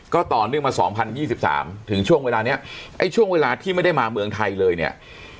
ก็ต่อเนื่องมา๒๐๒๓ถึงช่วงเวลานี้ไอ้ช่วงเวลาที่ไม่ได้มาเมืองไทยเลยเนี่ย